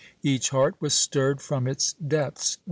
Each heart was stirred from its depths.